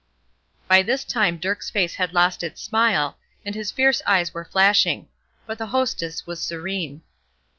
By this time Dirk's face had lost its smile, and his fierce eyes were flashing; but the hostess was serene.